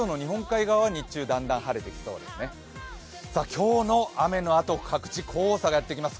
今日の雨のあと、各地黄砂がやってきます。